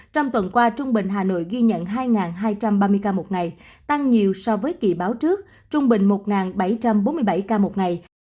trong tuần qua trung bình hà nội ghi nhận hai hai trăm ba mươi ca một ngày tăng nhiều so với kỳ báo trước trung bình một bảy trăm bốn mươi bảy ca một ngày